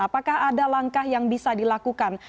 apakah ada langkah yang bisa dilakukan